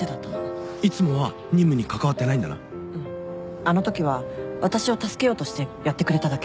あのときは私を助けようとしてやってくれただけ。